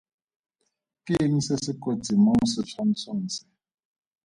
Ke eng se se kotsi mo setshwantshong se?